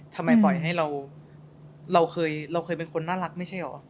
ทำไมปล่อยให้เราเราเคยเราเคยเป็นคนน่ารักไม่ใช่เหรอ